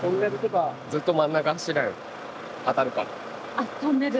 あっトンネル。